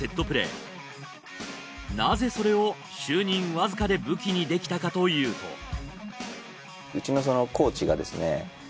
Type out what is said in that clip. なぜそれを就任わずかで武器にできたかというとうちのコーチがですね